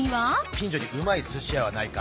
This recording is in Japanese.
近所にうまい寿司屋はないか？